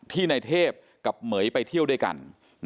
ในเทพกับเหม๋ยไปเที่ยวด้วยกัน